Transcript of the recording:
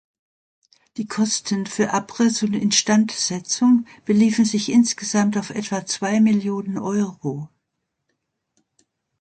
Die Kosten für Abriss und Instandsetzung beliefen sich insgesamt auf etwa zwei Millionen Euro.